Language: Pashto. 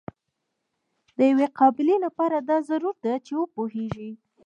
د یوې قابلې لپاره دا ضرور ده چې وپوهیږي.